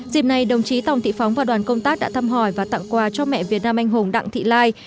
dịp này đồng chí tòng thị phóng và đoàn công tác đã thăm hỏi và tặng quà cho mẹ việt nam anh hùng đặng thị lai